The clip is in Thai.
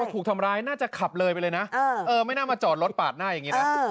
ถูกทำร้ายน่าจะขับเลยไปเลยนะไม่น่ามาจอดรถปาดหน้าอย่างนี้นะ